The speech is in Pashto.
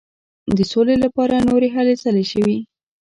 د سولي لپاره نورې هلې ځلې شوې.